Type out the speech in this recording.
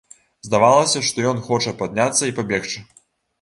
Здавалася, што ён хоча падняцца і пабегчы.